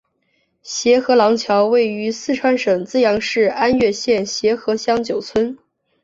协和廊桥位于四川省资阳市安岳县协和乡九村。